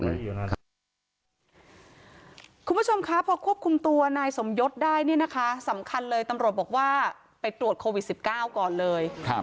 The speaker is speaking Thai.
คุณผู้ชมคะพอควบคุมตัวนายสมยศได้เนี่ยนะคะสำคัญเลยตำรวจบอกว่าไปตรวจโควิด๑๙ก่อนเลย